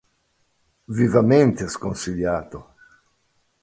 Vivamente sconsigliato!